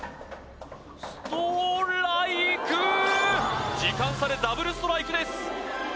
ストライク時間差でダブルストライクです